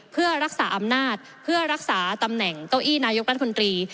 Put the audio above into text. เพื่อรักษาอำนาจเพื่อรักษาตำแหน่งเก้าอี้นายกรัฐมนตรี